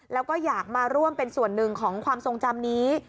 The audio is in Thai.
แล้วก็อยากมาร่วมเป็นส่วนหนึ่งของความทรงจำนี้